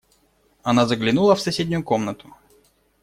Она заглянула в соседнюю комнату.